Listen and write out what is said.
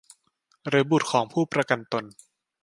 หรือบุตรของผู้ประกันตน